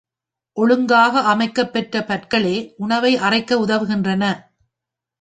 ஒழுங்காக அமைக்கப் பெற்ற பற்களே உணவை அறைக்க உதவுகின்றன.